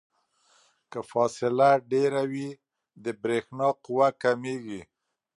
که فاصله ډیره وي د برېښنا قوه کمیږي.